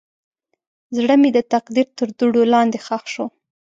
زړه مې د تقدیر تر دوړو لاندې ښخ شو.